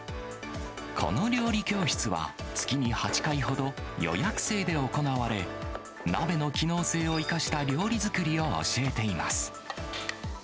この料理教室は、月に８回ほど、予約制で行われ、鍋の機能性を生かした料理作りを教えています。